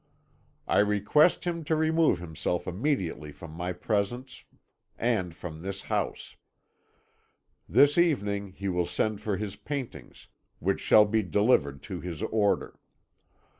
I request him to remove himself immediately from my presence and from this house. This evening he will send for his paintings, which shall be delivered to his order.